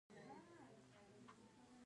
د بدخشان په مایمي کې څه شی شته؟